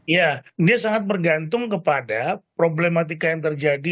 ya dia sangat bergantung kepada problematika yang terjadi